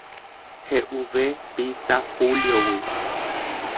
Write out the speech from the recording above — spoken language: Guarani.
He'uve pizza Júliogui.